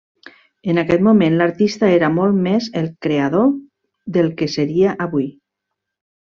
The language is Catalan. En aquest moment l'artista era molt més el creador del que seria avui.